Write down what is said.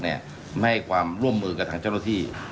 ไม่ให้ความร่วมมือกับทางเจ้าหน้าที่